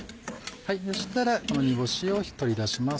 そしたらこの煮干しを取り出します。